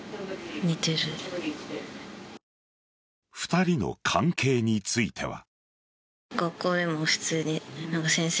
２人の関係については。